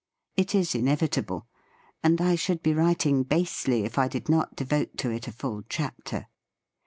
It is inevitable; and I should be writing basely if I did not devote to it a full chapter.